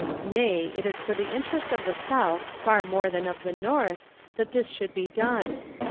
Nay, it is for the interest of the South far more than of the North that this should be done.